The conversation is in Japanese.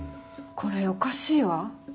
これおかしいわ。